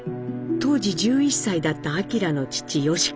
当時１１歳だった明の父・喜一。